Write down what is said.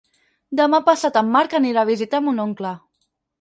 Demà passat en Marc anirà a visitar mon oncle.